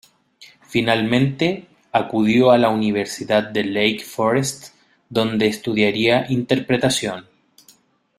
Finalmente, acudió a la Universidad de Lake Forest, donde estudiaría interpretación.